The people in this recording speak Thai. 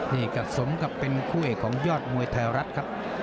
นี่ก็สมกับเป็นคู่เอกของยอดมวยไทยรัฐครับ